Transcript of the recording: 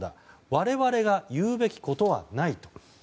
我々が言うべきことはないと。